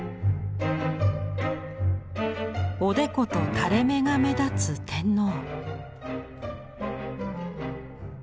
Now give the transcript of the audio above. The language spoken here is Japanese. おでこと垂れ目が目立つ天皇。